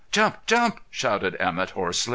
Jump! Jump!" shouted Emett hoarsely.